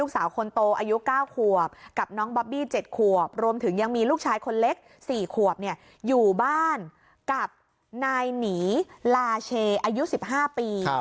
สี่ขวบอยู่บ้านกับนายหนีราเชย์อายุ๑๕ปี